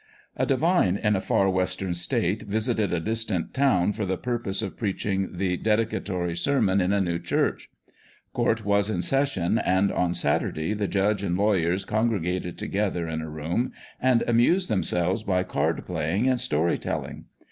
A divine in a Far Western State visited a distant town for the purpose of preaching the dedicatory sermon in a new church. Court was in session, and on Saturday the judge and lawyers congregated together in a room, and amused themselves by card playing and story telling.